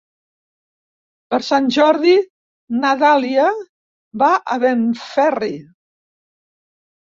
Per Sant Jordi na Dàlia va a Benferri.